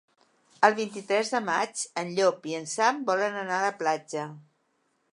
El vint-i-tres de maig en Llop i en Sam volen anar a la platja.